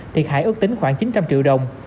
thiệt hại ước tính khoảng chín trăm linh triệu đồng